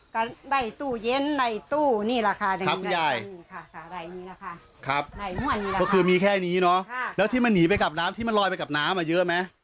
ก็ได้ตู้เย็นได้ตู้นี่แหละค่ะครับคุณยายก็คือมีแค่นี้เนาะแล้วที่มันหนีไปกับน้ำที่มันลอยไปกับน้ำอ่ะเยอะไหม